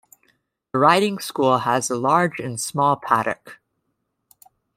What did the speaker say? The riding school has a large and a small paddock.